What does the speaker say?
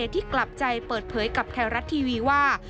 ที่กลับใจเปิดเผยกับไทยรัฐทีวีว่า